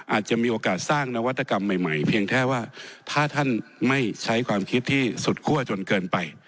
อาจจะมีโอกาสสร้างนวัตกรรมใหม่เพียงแค่ว่าถ้าท่านไม่ใช้ความคิดที่สุดคั่วจนเกินไป